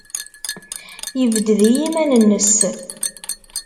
Yebded i yiman-nnes.